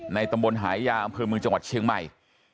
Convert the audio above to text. ตำบลหายาอำเภอเมืองจังหวัดเชียงใหม่